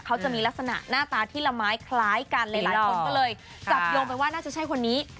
เขาจะมีลักษณะหน้าตาที่ละไม้คล้ายกันหลายคนก็เลยจับโยงไปว่าน่าจะใช่คนนี้